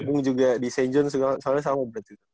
kalbung juga di st john s soalnya sama berarti